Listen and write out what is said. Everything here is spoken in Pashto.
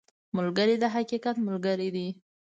ملګری د حقیقت ملګری دی